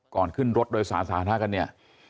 ก่อนขึ้นรถโดยสารสาธารณะกันเนี่ย